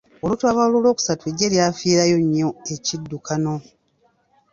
Olutabaalo olw'okusatu eggye lyafiirayo nnyo ekiddukano.